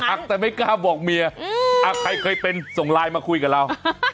แต่ไม่กล้าบอกเมียใครเคยเป็นส่งไลน์มาคุยกับเรา